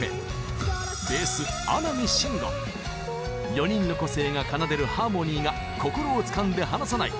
４人の個性が奏でるハーモニーが心をつかんで離さない。